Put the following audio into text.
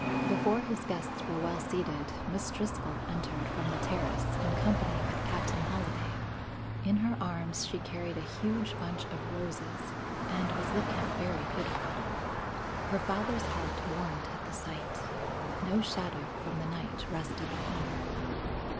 Before his guests were well seated, Miss Driscoll entered from the terrace in company with Captain Holliday. In her arms she carried a huge bunch of roses and was looking very beautiful. Her father's heart warmed at the sight. No shadow from the night rested upon her.